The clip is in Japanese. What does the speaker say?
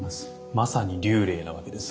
まさに立礼なわけですね